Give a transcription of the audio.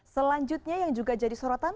selanjutnya yang juga jadi sorotan